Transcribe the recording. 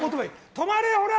止まれほら！